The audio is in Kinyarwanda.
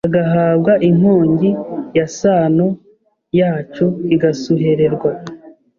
Agahabwa inkongi ya sano yacu igasuhererwa